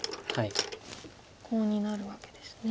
コウになるわけですね。